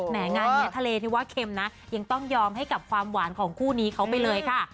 งานนี้ทะเลที่ว่าเค็มนะยังต้องยอมให้กับความหวานของคู่นี้เขาไปเลยค่ะ